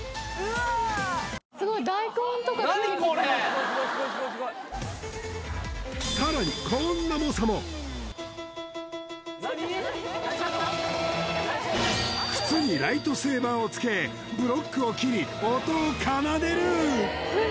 すごい何これさらに靴にライトセーバーをつけブロックを斬り音を奏でる